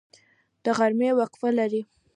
د غرمې وقفه لرئ؟